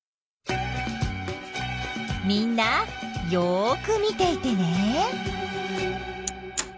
みんなよく見ていてね。